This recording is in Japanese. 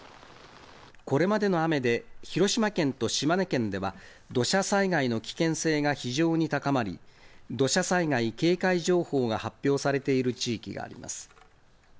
これまでの雨で、広島県と島根県では、土砂災害の危険性が非常に高まり、土砂災害警戒情報が発表されている地域があります。